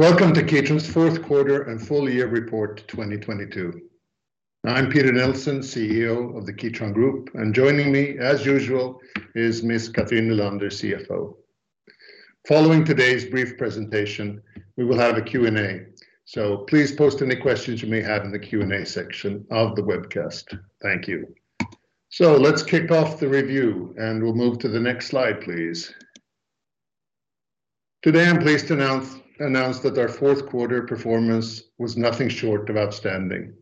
Welcome to Kitron's fourth quarter and full year report 2022. I'm Peter Nilsson, CEO of the Kitron Group, and joining me, as usual, is Miss Cathrin Nylander, CFO. Following today's brief presentation, we will have a Q&A. Please post any questions you may have in the Q&A section of the webcast. Thank you. Let's kick off the review. We'll move to the next slide, please. Today, I'm pleased to announce that our fourth quarter performance was nothing short of outstanding.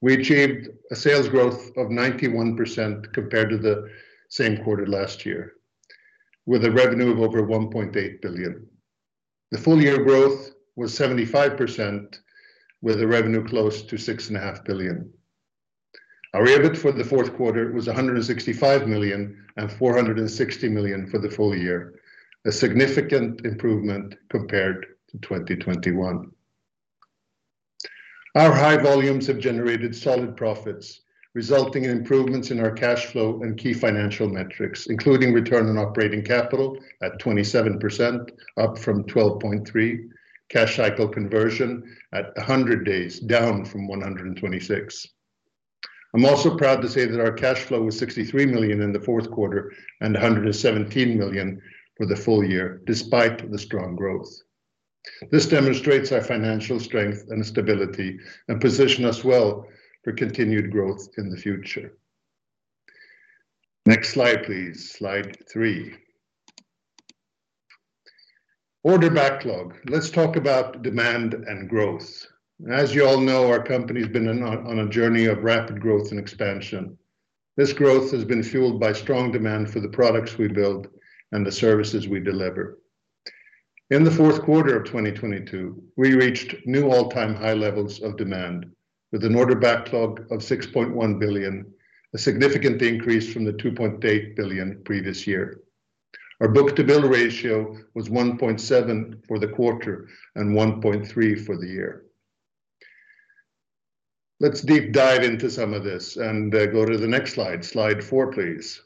We achieved a sales growth of 91% compared to the same quarter last year, with a revenue of over 1.8 billion. The full year growth was 75% with the revenue close to 6.5 billion. Our EBIT for the fourth quarter was 165 million and 460 million for the full year, a significant improvement compared to 2021. Our high volumes have generated solid profits, resulting in improvements in our cash flow and key financial metrics, including return on operating capital at 27%, up from 12.3%, cash cycle conversion at 100 days, down from 126. I'm also proud to say that our cash flow was 63 million in the fourth quarter and 117 million for the full year, despite the strong growth. This demonstrates our financial strength and stability and position us well for continued growth in the future. Next slide, please. Slide three. Order backlog. Let's talk about demand and growth. As you all know, our company's been on a journey of rapid growth and expansion. This growth has been fueled by strong demand for the products we build and the services we deliver. In the fourth quarter of 2022, we reached new all-time high levels of demand with an order backlog of 6.1 billion, a significant increase from the 2.8 billion previous year. Our book-to-bill ratio was 1.7 for the quarter and 1.3 for the year. Let's deep dive into some of this and go to the next slide. Slide four, please.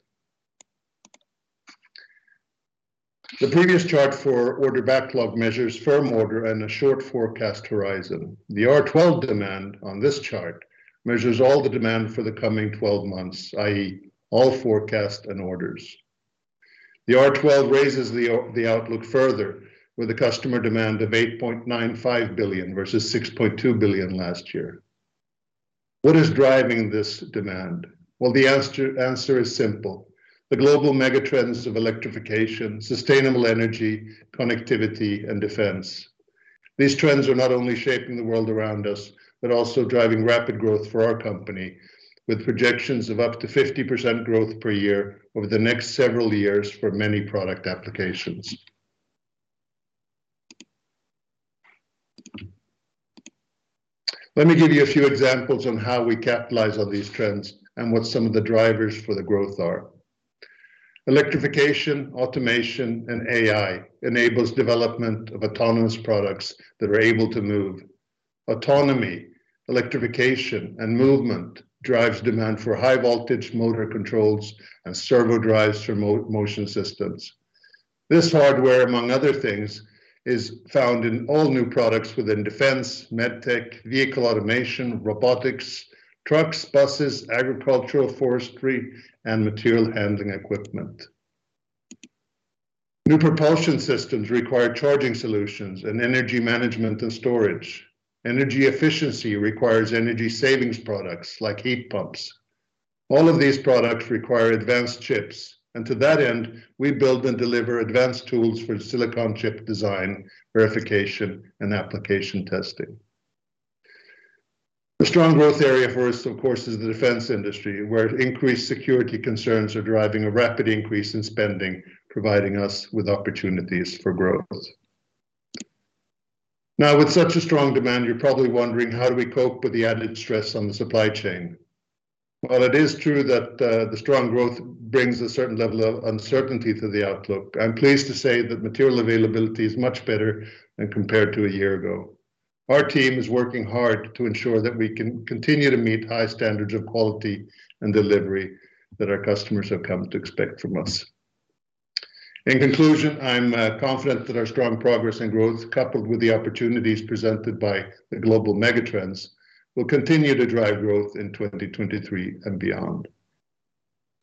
The previous chart for order backlog measures firm order and a short forecast horizon. The R12 demand on this chart measures all the demand for the coming 12 months, i.e., all forecast and orders. The R12 raises the outlook further with a customer demand of 8.95 billion versus 6.2 billion last year. What is driving this demand? Well, the answer is simple: the global mega trends of electrification, sustainable energy, connectivity, and defense. These trends are not only shaping the world around us, but also driving rapid growth for our company, with projections of up to 50% growth per year over the next several years for many product applications. Let me give you a few examples on how we capitalize on these trends and what some of the drivers for the growth are. Electrification, automation, and AI enables development of autonomous products that are able to move. Autonomy, electrification, and movement drives demand for high voltage motor controls and servo drives for motion systems. This hardware, among other things, is found in all new products within defense, MedTech, vehicle automation, robotics, trucks, buses, agricultural, forestry, and material handling equipment. New propulsion systems require charging solutions, and energy management and storage. Energy efficiency requires energy savings products, like heat pumps. All of these products require advanced chips. To that end, we build and deliver advanced tools for silicon chip design, verification, and application testing. A strong growth area for us, of course, is the defense industry, where increased security concerns are driving a rapid increase in spending, providing us with opportunities for growth. With such a strong demand, you're probably wondering, how do we cope with the added stress on the supply chain? While it is true that the strong growth brings a certain level of uncertainty to the outlook, I'm pleased to say that material availability is much better than compared to a year ago. Our team is working hard to ensure that we can continue to meet high standards of quality and delivery that our customers have come to expect from us. In conclusion, I'm confident that our strong progress and growth, coupled with the opportunities presented by the global mega trends, will continue to drive growth in 2023 and beyond.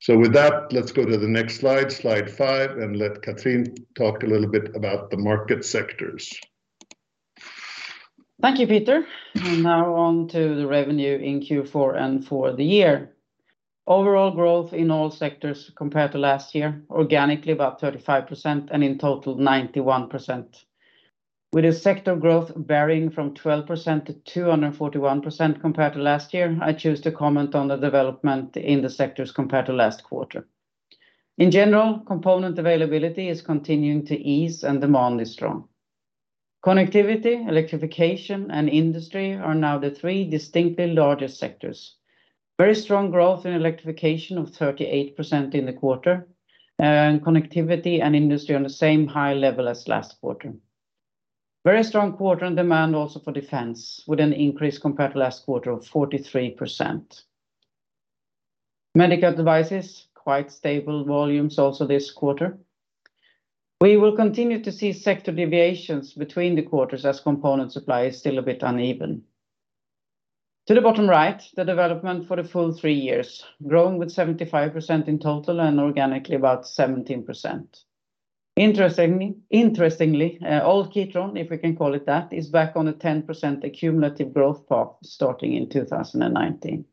With that, let's go to the next slide five, and let Cathrin talk a little bit about the market sectors. Thank you, Peter. Now on to the revenue in Q4 and for the year. Overall growth in all sectors compared to last year, organically, about 35%, and in total, 91%. With the sector growth varying from 12%-241% compared to last year, I choose to comment on the development in the sectors compared to last quarter. In general, component availability is continuing to ease and demand is strong. Connectivity, electrification, and industry are now the three distinctly largest sectors. Very strong growth in electrification of 38% in the quarter, and connectivity and industry on the same high level as last quarter. Very strong quarter on demand also for defense, with an increase compared to last quarter of 43%. Medical devices, quite stable volumes also this quarter. We will continue to see sector deviations between the quarters as component supply is still a bit uneven. To the bottom right, the development for the full three years, growing with 75% in total and organically about 17%. Interestingly, old Kitron, if we can call it that, is back on a 10% cumulative growth path starting in 2019.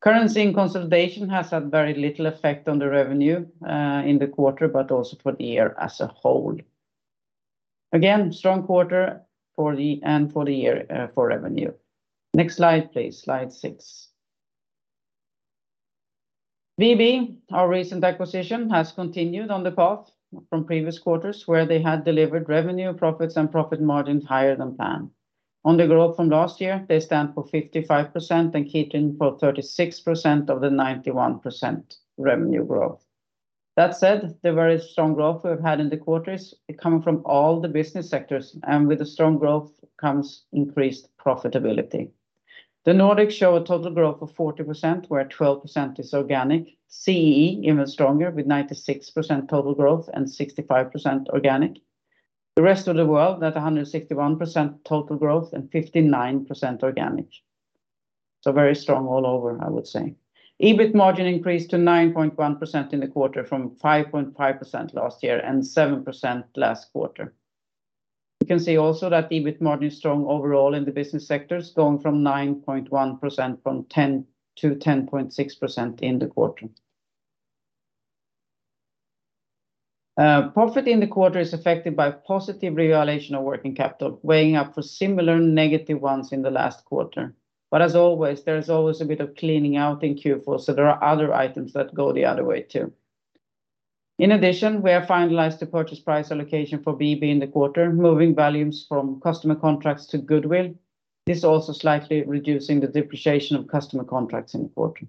Currency and consolidation has had very little effect on the revenue in the quarter, but also for the year as a whole. Again, strong quarter and for the year for revenue. Next slide, please. Slide six. BB, our recent acquisition, has continued on the path from previous quarters where they had delivered revenue, profits, and profit margins higher than planned. On the growth from last year, they stand for 55% and Kitron for 36% of the 91% revenue growth. That said, the very strong growth we've had in the quarters come from all the business sectors, and with the strong growth comes increased profitability. The Nordics show a total growth of 40%, where 12% is organic. CEE, even stronger, with 96% total growth and 65% organic. The rest of the world at 161% total growth and 59% organic. Very strong all over, I would say. EBIT margin increased to 9.1% in the quarter from 5.5% last year and 7% last quarter. You can see also that EBIT margin is strong overall in the business sectors, going from 9.1% from 10%-10.6% in the quarter. Profit in the quarter is affected by positive revaluation of working capital, weighing up for similar negative ones in the last quarter. As always, there is always a bit of cleaning out in Q4, so there are other items that go the other way too. In addition, we have finalized the purchase price allocation for BB in the quarter, moving volumes from customer contracts to goodwill. This also slightly reducing the depreciation of customer contracts in the quarter.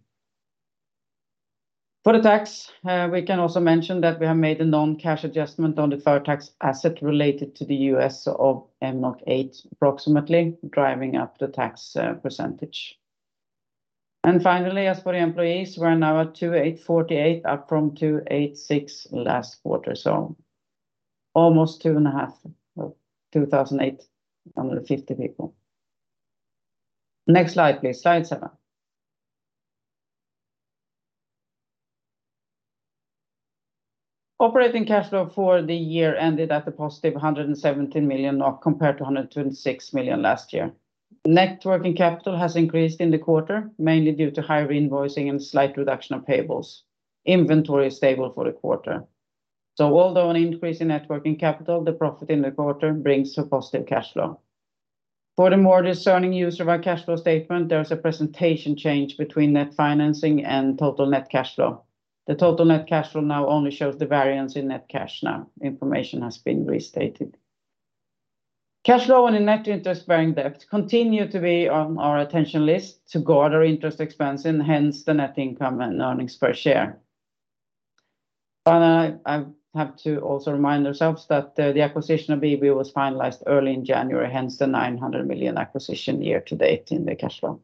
For the tax, we can also mention that we have made a non-cash adjustment on the tax asset related to the U.S. of 8 approximately, driving up the tax %. Finally, as for the employees, we're now at 2,848, up from 2,806 last quarter. Almost two and a half... Well, 2,850 people. Next slide, please. Slide seven. Operating cash flow for the year ended at a positive 117 million, compared to 126 million last year. Net working capital has increased in the quarter, mainly due to higher invoicing and slight reduction of payables. Inventory is stable for the quarter. Although an increase in net working capital, the profit in the quarter brings a positive cash flow. The more discerning user of our cash flow statement, there is a presentation change between net financing and total net cash flow. The total net cash flow now only shows the variance in net cash now. Information has been restated. Cash flow and the net interest-bearing debt continue to be on our attention list to guard our interest expense and hence the net income and earnings per share. I have to also remind ourselves that the acquisition of BB was finalized early in January, hence the 900 million acquisition year to date in the cash flow.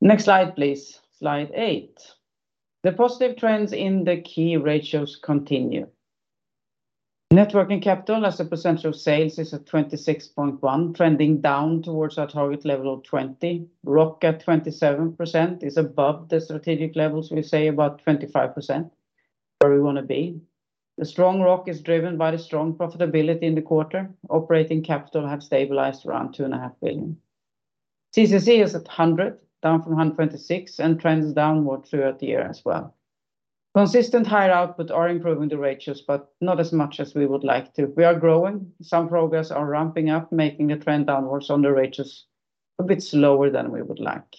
Next slide, please. Slide eight. The positive trends in the key ratios continue. Net working capital as a percentage of sales is at 26.1%, trending down towards our target level of 20%. ROC at 27% is above the strategic levels. We say about 25% where we wanna be. The strong ROC is driven by the strong profitability in the quarter. Operating capital have stabilized around 2.5 billion. CCC is at 100, down from 126, and trends downward throughout the year as well. Consistent higher output are improving the ratios, not as much as we would like to. We are growing. Some progress are ramping up, making the trend downwards on the ratios a bit slower than we would like.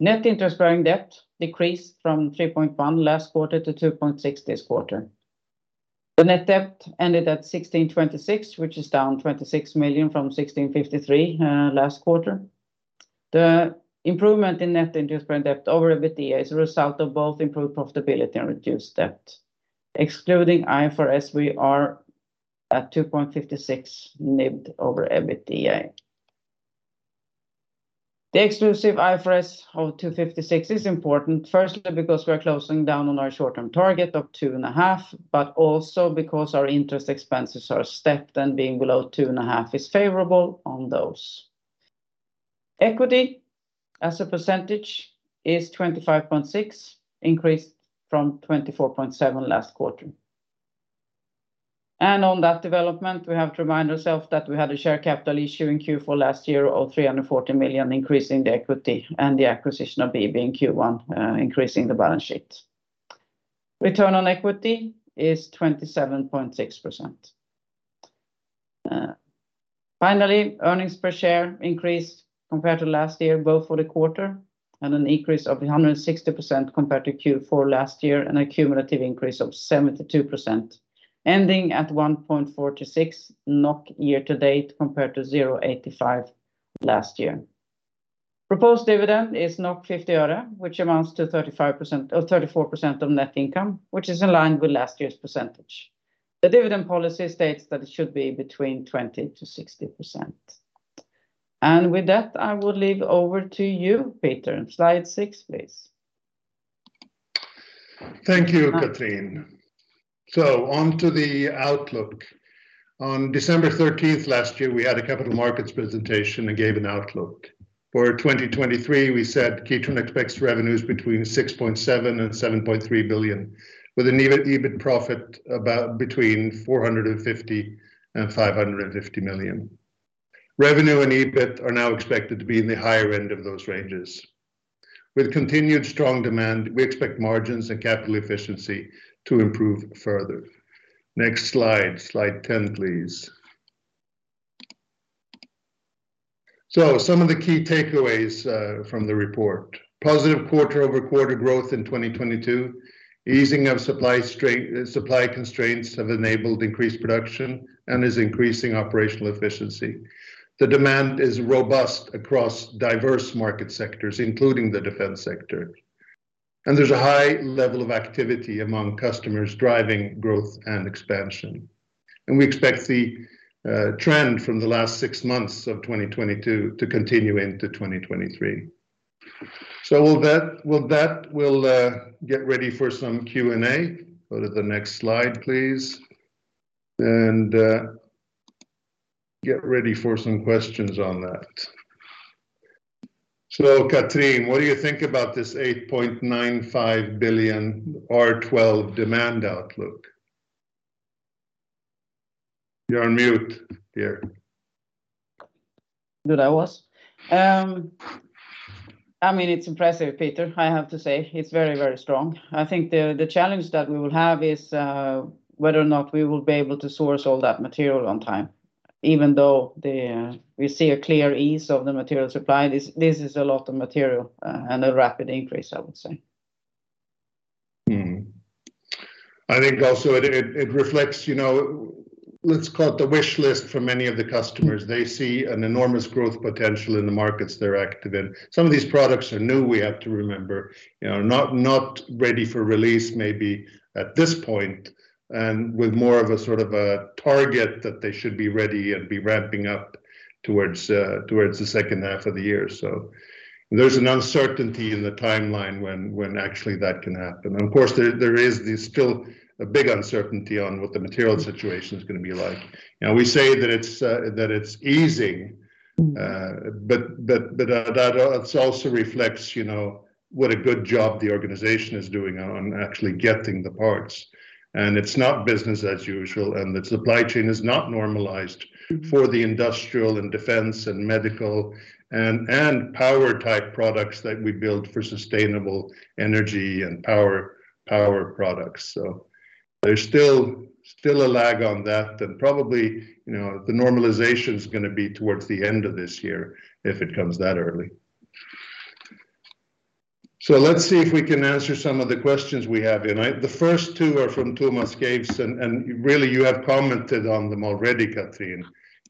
Net interest-bearing debt decreased from 3.1 last quarter to 2.6 this quarter. The net debt ended at 1,626 million, which is down 26 million from 1,653 million last quarter. The improvement in net interest-bearing debt over EBITDA is a result of both improved profitability and reduced debt. Excluding IFRS, we are at 2.56 NIBD over EBITDA. The exclusive IFRS of 2.56 is important, firstly because we are closing down on our short-term target of 2.5, also because our interest expenses are stepped, being below 2.5 is favorable on those. Equity as a percentage is 25.6%, increased from 24.7% last quarter. On that development, we have to remind ourselves that we had a share capital issue in Q4 last year of 340 million, increasing the equity, and the acquisition of BB in Q1, increasing the balance sheet. Return on equity is 27.6%. Finally, earnings per share increased compared to last year, both for the quarter and an increase of 160% compared to Q4 last year and a cumulative increase of 72%, ending at 1.46 NOK year to date compared to 0.85 last year. Proposed dividend is 50 øre, which amounts to 35% or 34% of net income, which is in line with last year's percentage. The dividend policy states that it should be between 20%-60%. With that, I will leave over to you, Peter. Slide six, please. Thank you, Cathrin. On to the outlook. On December thirteenth last year, we had a capital markets presentation and gave an outlook. For 2023 we said, "Kitron expects revenues between 6.7 billion, and 7.3 billion, with an EBIT profit about between 450 million and 550 million." Revenue and EBIT are now expected to be in the higher end of those ranges. With continued strong demand, we expect margins and capital efficiency to improve further. Next slide. Slide 10, please. Some of the key takeaways from the report. Positive quarter-over-quarter growth in 2022. Easing of supply constraints have enabled increased production and is increasing operational efficiency. The demand is robust across diverse market sectors, including the defense sector. There's a high level of activity among customers driving growth and expansion. We expect the trend from the last 6 months of 2022 to continue into 2023. With that, we'll get ready for some Q&A. Go to the next slide, please. Get ready for some questions on that. Cathrin, what do you think about this 8.95 billion R12 demand outlook? You're on mute, dear. Good, I was. I mean, it's impressive, Peter, I have to say. It's very, very strong. I think the challenge that we will have is whether or not we will be able to source all that material on time, even though the we see a clear ease of the material supply. This is a lot of material and a rapid increase, I would say. I think also it reflects, you know, let's call it the wish list for many of the customers. They see an enormous growth potential in the markets they're active in. Some of these products are new, we have to remember, you know, not ready for release maybe at this point, and with more of a sort of a target that they should be ready and be ramping up towards the second half of the year. There's an uncertainty in the timeline when actually that can happen. Of course, there is this still a big uncertainty on what the material situation is gonna be like. You know, we say that it's that it's easing- Mm... but, that also reflects, you know, what a good job the organization is doing on actually getting the parts. It's not business as usual, and the supply chain is not normalized for the industrial and defense and medical and power type products that we build for sustainable energy and power products. There's still a lag on that. Probably, you know, the normalization is gonna be towards the end of this year if it comes that early. Let's see if we can answer some of the questions we have. The first two are from Tomas Skeivys, and really you have commented on them already, Cathrin.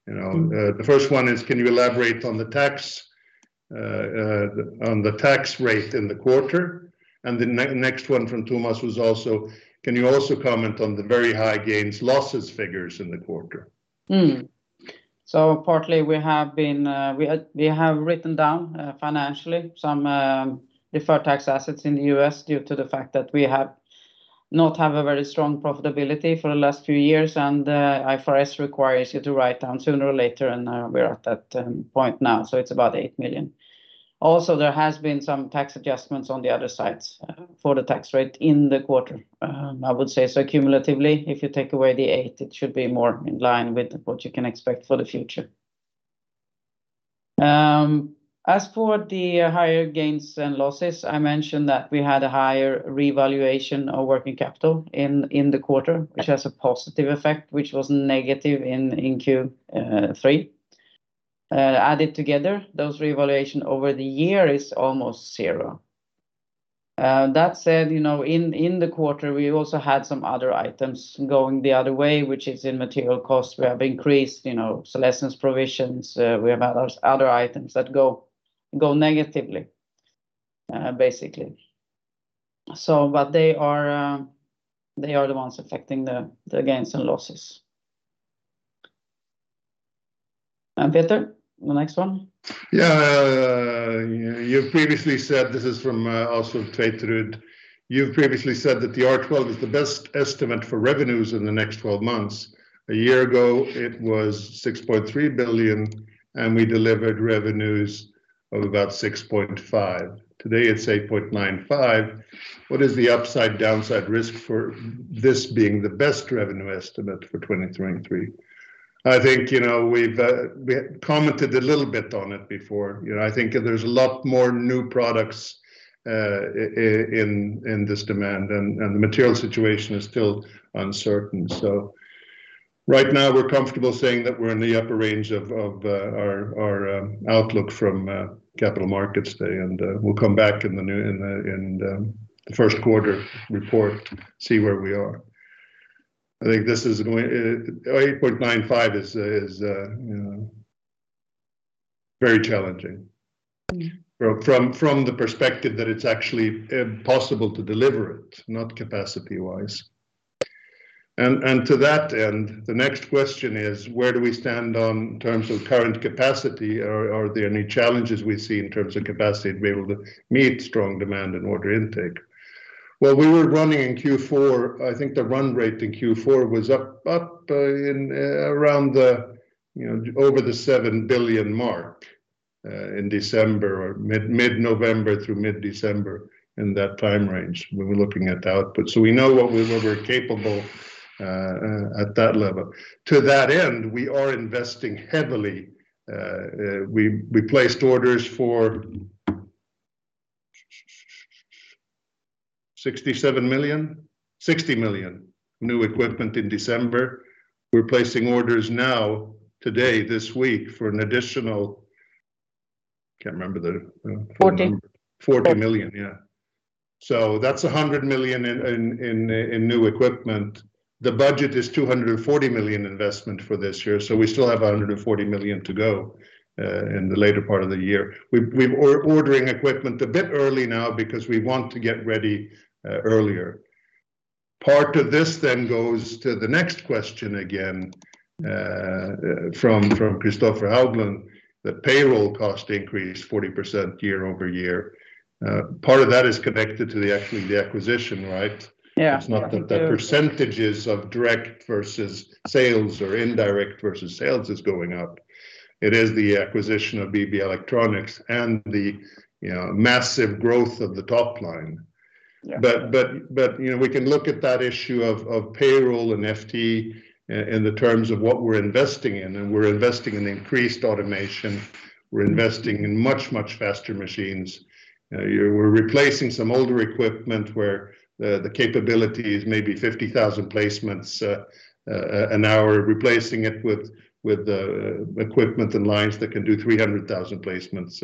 You know. Mm... the first one is, can you elaborate on the tax, on the tax rate in the quarter? The next one from Tomas was also, can you also comment on the very high gains losses figures in the quarter? Partly we have been, we have written down financially some deferred tax assets in the U.S. due to the fact that we have not have a very strong profitability for the last few years. IFRS requires you to write down sooner or later, and we're at that point now, so it's about 8 million. Also, there has been some tax adjustments on the other sides for the tax rate in the quarter, I would say. Cumulatively, if you take away the eight, it should be more in line with what you can expect for the future. As for the higher gains and losses, I mentioned that we had a higher revaluation of working capital in the quarter, which has a positive effect, which was negative in Q3. Added together, those revaluation over the year is almost zero. That said, you know, in the quarter, we also had some other items going the other way, which is in material cost. We have increased, you know, obsolescence provisions. We have other items that go negatively, basically. They are the ones affecting the gains and losses. Peter, the next one. You previously said, this is from Tveitrud. You've previously said that the R12 is the best estimate for revenues in the next 12 months. A year ago, it was 6.3 billion, and we delivered revenues of about 6.5 billion. Today, it's 8.95 billion. What is the upside downside risk for this being the best revenue estimate for 2023? I think, you know, we've commented a little bit on it before. You know, I think there's a lot more new products in this demand, and the material situation is still uncertain. Right now we're comfortable saying that we're in the upper range of our outlook from capital markets day, and we'll come back in the first quarter report, see where we are. I think this is going, 8.95 is, you know. Very challenging. Yeah. From the perspective that it's actually impossible to deliver it, not capacity-wise. To that end, the next question is: Where do we stand on terms of current capacity? Are there any challenges we see in terms of capacity to be able to meet strong demand and order intake? Well, we were running in Q4, I think the run rate in Q4 was up, around the, you know, over the 7 billion mark in December or mid-November through mid-December, in that time range. We were looking at output. We know what we're capable at that level. To that end, we are investing heavily. We placed orders for 67 million, 60 million new equipment in December. We're placing orders now today, this week, for an additional... Can't remember the full number. Forty. 40 million, yeah. That's 100 million in new equipment. The budget is 240 million investment for this year, so we still have 140 million to go in the later part of the year. We're ordering equipment a bit early now because we want to get ready earlier. Part of this goes to the next question again from Christopher Hallgren, the payroll cost increase 40% year-over-year. Part of that is connected to the actually the acquisition, right? Yeah. It's not that the % of direct versus sales or indirect versus sales is going up. It is the acquisition of BB Electronics and the, you know, massive growth of the top line. Yeah. You know, we can look at that issue of payroll and FT in the terms of what we're investing in, and we're investing in much faster machines. You know, we're replacing some older equipment where the capability is maybe 50,000 placements an hour, replacing it with the equipment and lines that can do 300,000 placements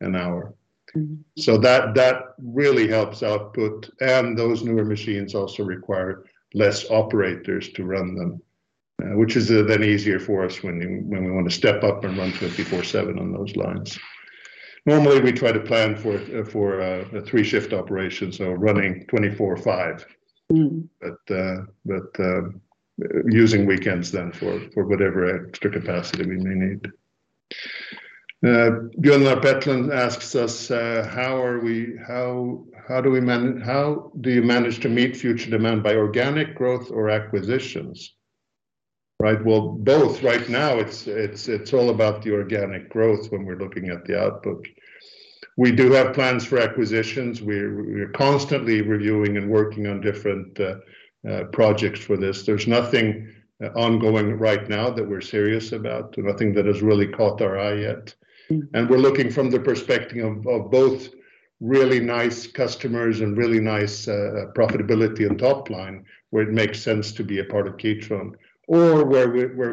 an hour. Mm-hmm. That really helps output, and those newer machines also require less operators to run them, which is then easier for us when we want to step up and run 24/7 on those lines. Normally, we try to plan for a 3-shift operation, so running 24/5. Mm-hmm. Using weekends then for whatever extra capacity we may need. Gunnar Ryland asks us: How do you manage to meet future demand, by organic growth or acquisitions? Right. Well, both. Right now, it's all about the organic growth when we're looking at the output. We do have plans for acquisitions. We're constantly reviewing and working on different projects for this. There's nothing ongoing right now that we're serious about, nothing that has really caught our eye yet. Mm-hmm. We're looking from the perspective of both really nice customers and really nice profitability and top line, where it makes sense to be a part of Kitron, or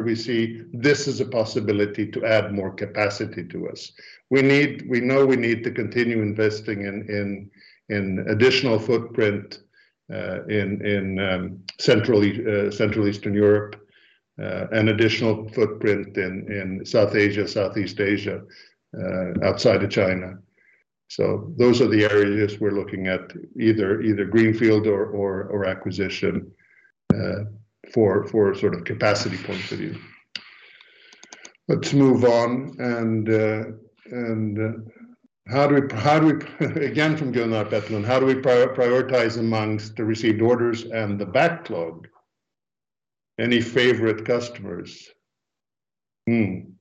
we see this is a possibility to add more capacity to us. We know we need to continue investing in additional footprint in Central Eastern Europe, an additional footprint in South Asia, Southeast Asia, outside of China. Those are the areas we're looking at, either greenfield or acquisition, for sort of capacity point of view. Let's move on. How do we, again, from Gunnar Petland: How do we prioritize amongst the received orders and the backlog? Any favorite customers? We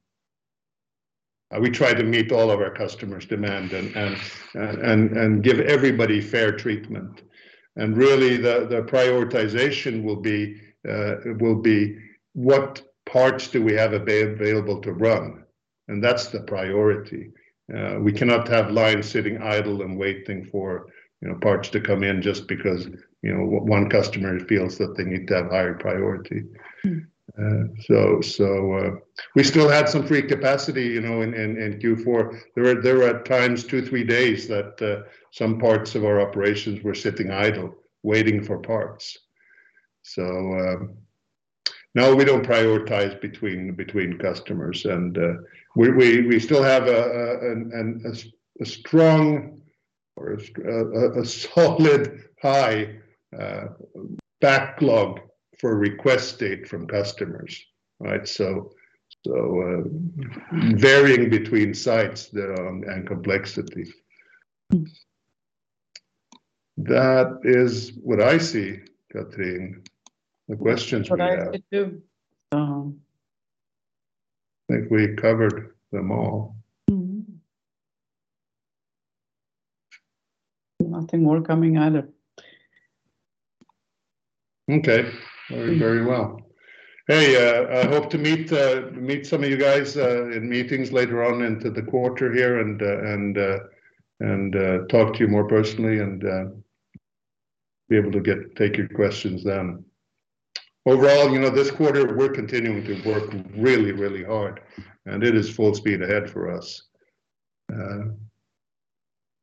try to meet all of our customers' demand and give everybody fair treatment. Really, the prioritization will be what parts do we have available to run, and that's the priority. We cannot have lines sitting idle and waiting for, you know, parts to come in just because, you know, one customer feels that they need to have higher priority. Hmm. We still had some free capacity, you know, in Q4. There were at times two, three days that some parts of our operations were sitting idle, waiting for parts. No, we don't prioritize between customers. We still have a strong or a solid high backlog for request date from customers, right? Varying between sites, the and complexity. Hmm. That is what I see, Cathrin, the questions we have. That's what I see, too. I think we covered them all. Mm-hmm. Nothing more coming either. Okay. Very, very well. Hey, I hope to meet some of you guys in meetings later on into the quarter here and talk to you more personally and be able to take your questions then. Overall, you know, this quarter, we're continuing to work really, really hard, and it is full speed ahead for us.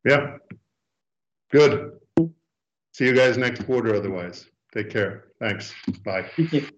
Yeah. Good. See you guys next quarter, otherwise. Take care. Thanks. Bye. Bye.